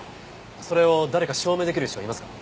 それを誰か証明出来る人はいますか？